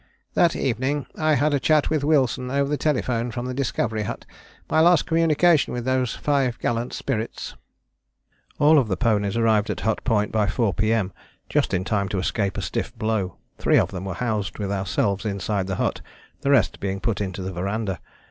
"That evening I had a chat with Wilson over the telephone from the Discovery Hut my last communication with those five gallant spirits." All the ponies arrived at Hut Point by 4 P.M., just in time to escape a stiff blow. Three of them were housed with ourselves inside the hut, the rest being put into the verandah.